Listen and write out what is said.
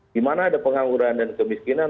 dimana ada pengangguran dan kemiskinan